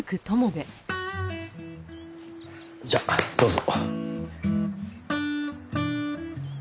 じゃあどうぞ。